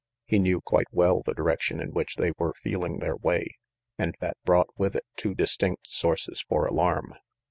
He knew quite well the direction in which they were feeling their way, and that brought with it two distinct sources for alarm.